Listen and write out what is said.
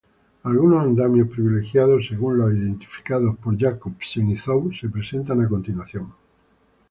Algunos andamios "privilegiados", según lo identificado por Jacobsen y Zhou, se presentan a continuación.